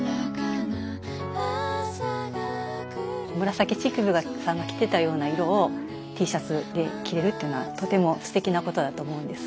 紫式部さんが着てたような色をＴシャツで着れるっていうのはとてもすてきなことだと思うんです。